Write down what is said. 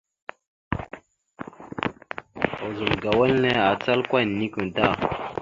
Ozum ga wal henne acal kwa enekweŋ da.